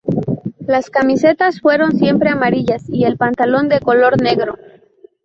Las camisetas fueron siempre amarillas y el pantalón de color negro.